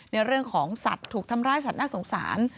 ในเรื่องของสัตว์ถูกทำร้ายสัตว์น่าสงสาร